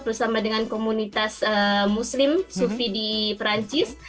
bersama dengan komunitas muslim sufi di perancis